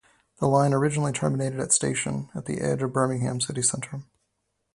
The line originally terminated at station at the edge of Birmingham City Centre.